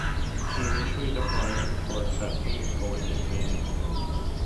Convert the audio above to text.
He initially declined before accepting and going to training camp.